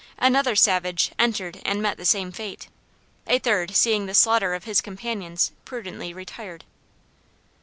Another savage entered and met the same fate. A third seeing the slaughter of his companions prudently retired.